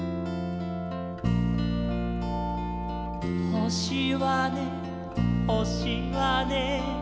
「ほしはねほしはね」